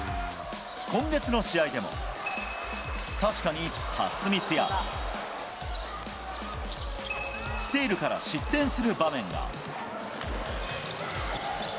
今月の試合でも、確かにパスミスや、スティールから失点する場面が。